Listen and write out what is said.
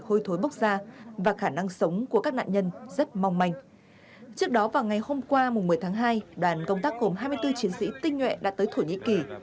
hôm nay là ngày một mươi tháng hai đoàn công tác gồm hai mươi bốn chiến sĩ tinh nhuệ đã tới thổ nhĩ kỳ